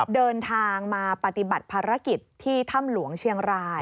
เดินทางมาปฏิบัติภารกิจที่ถ้ำหลวงเชียงราย